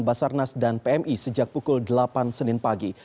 basarnas dan pmi sejak pukul delapan senin pagi